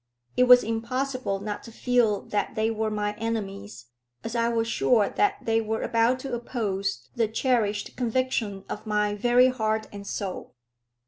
It was impossible not to feel that they were my enemies, as I was sure that they were about to oppose the cherished conviction of my very heart and soul.